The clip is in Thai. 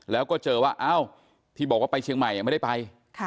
แล้วก็เจอว่าอ้าวที่บอกว่าไปเชียงใหม่ไม่ได้ไป